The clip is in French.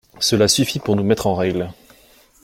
Cela suffit pour nous mettre en règle.